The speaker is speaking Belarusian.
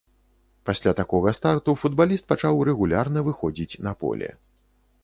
Пасля такога старту футбаліст пачаў рэгулярна выходзіць на поле.